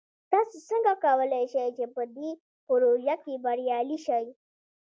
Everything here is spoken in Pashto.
تاسو څنګه کولی شئ چې په دې پروژه کې بریالي شئ؟